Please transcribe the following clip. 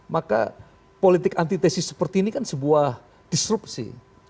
maka politik antitesis seperti ini kan sebuah disrupsi